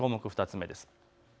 ２つ目です。